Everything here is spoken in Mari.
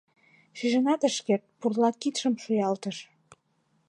Шижынат ыш керт — пурла кидшым шуялтыш.